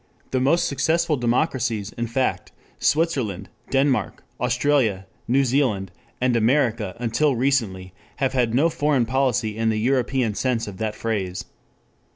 The most successful democracies, in fact, Switzerland, Denmark, Australia, New Zealand, and America until recently, have had no foreign policy in the European sense of that phrase.